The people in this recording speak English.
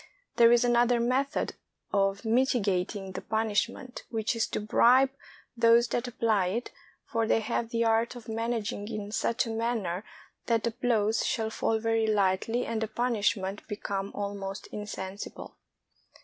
There is another method of mitigating the punishment, which is to bribe those that apply it, for they have the art of managing in such a manner that the blows shall fall very lightly and the punishment become almost insensible.